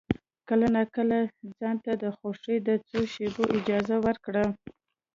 کله ناکله ځان ته د خوښۍ د څو شېبو اجازه ورکړه.